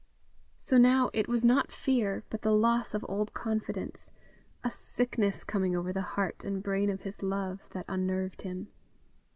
So now it was not fear, but the loss of old confidence, a sickness coming over the heart and brain of his love, that unnerved him.